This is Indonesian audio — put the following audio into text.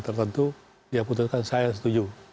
tertentu dia putuskan saya setuju